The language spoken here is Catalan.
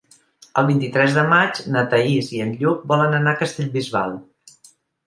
El vint-i-tres de maig na Thaís i en Lluc volen anar a Castellbisbal.